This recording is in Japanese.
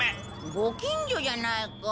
ご近所じゃないか。